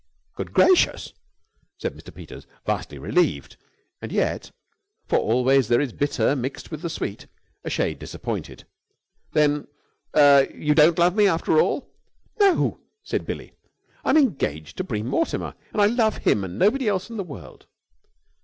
"Good gracious!" said Mr. Peters, vastly relieved; and yet for always there is bitter mixed with the sweet a shade disappointed. "Then er you don't love me after all?" "No!" said Billie. "I am engaged to Bream Mortimer, and I love him and nobody else in the world!"